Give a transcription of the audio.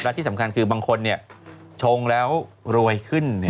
และที่สำคัญคือบางคนเนี่ยชงแล้วรวยขึ้นเนี่ย